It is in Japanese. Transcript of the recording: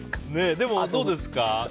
でも、どうですか。